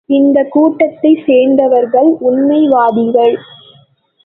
இந்தக் கூட்டத்தைச் சேர்ந்தவர்கள், உண்மைவாதிகள்!